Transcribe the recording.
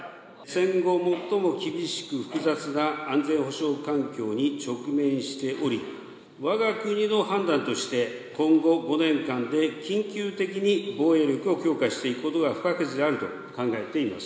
戦後最も厳しく複雑な安全保障環境に直面しており、わが国の判断として、今後５年間で緊急的に防衛力を強化していくことが不可欠であると考えています。